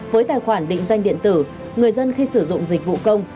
với tài khoản định danh điện tử người dân khi sử dụng dịch vụ công